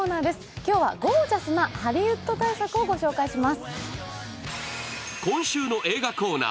今日はゴージャスなハリウッド大作をご紹介します。